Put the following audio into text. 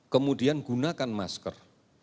kemudian gunakan masker